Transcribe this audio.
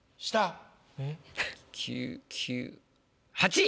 ９９８位！